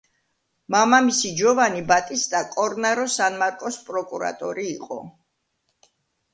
მამამისი ჯოვანი ბატისტა კორნარო სან–მარკოს პროკურატორი იყო.